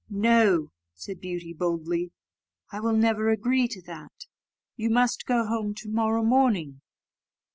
"No," said Beauty, boldly, "I will never agree to that; you must go home to morrow morning."